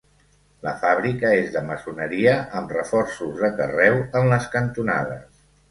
La fàbrica és de maçoneria amb reforços de carreu en les cantonades.